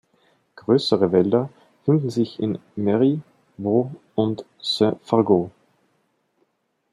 Größere Wälder finden sich in Merry, Vaux und Saint-Fargeau.